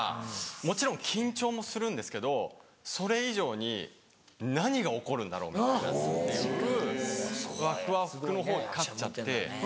もちろん緊張もするんですけどそれ以上に何が起こるんだろう？みたいなっていうワクワクのほうが勝っちゃって。